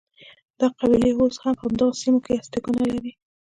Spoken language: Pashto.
دا قبیلې اوس هم په همدغو سیمو کې هستوګنه لري.